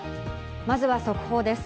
まずは速報です。